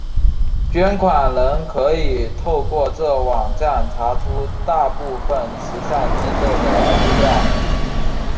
捐款人可以透过这网站查出大部份慈善机构的资料。